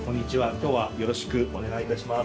今日はよろしくお願いいたします。